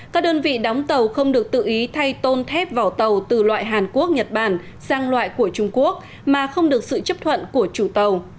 các đơn vị đóng tàu không được tự ý thay tôn thép vỏ tàu từ loại hàn quốc nhật bản sang loại của trung quốc mà không được sự chấp thuận của chủ tàu